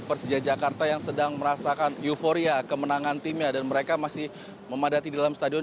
persija jakarta yang sedang merasakan euforia kemenangan timnya dan mereka masih memadati di dalam stadion